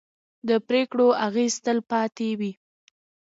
د پرېکړو اغېز تل پاتې وي